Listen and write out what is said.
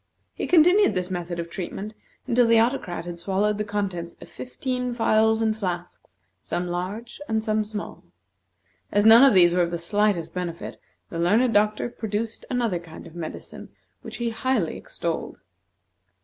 He continued this method of treatment until the Autocrat had swallowed the contents of fifteen phials and flasks, some large and some small. As none of these were of the slightest benefit, the learned doctor produced another kind of medicine which he highly extolled.